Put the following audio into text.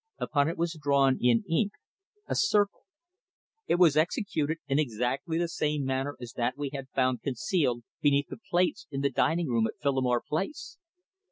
Upon it was drawn in ink a circle. It was executed in exactly the same manner as that we had found concealed beneath the plates in the dining room at Phillimore Place.